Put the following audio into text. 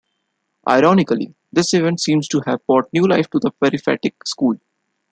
Ironically, this event seems to have brought new life to the Peripatetic school.